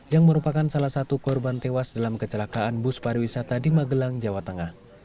yang merupakan salah satu korban tewas dalam kecelakaan bus pariwisata di magelang jawa tengah